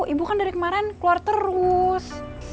ibu kan dari kemarin keluar terus